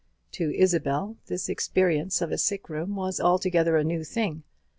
To Isabel this experience of a sick room was altogether a new thing.